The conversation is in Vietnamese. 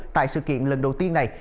tại sự kiện lần đầu tiên này